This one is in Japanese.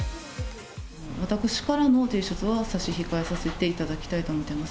私からの提出は差し控えさせていただきたいと思っています。